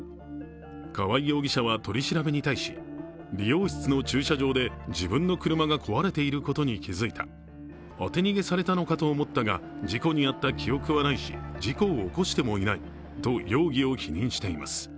川合容疑者は取り調べに対し理容室の駐車場で自分の車が壊れていることに気づいた、当て逃げされたのかと思ったが、事故に遭った記憶はないし事故を起こしてもいないと容疑を否認しています。